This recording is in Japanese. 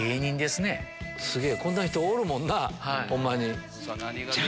すげぇこんな人おるもんなぁホンマに。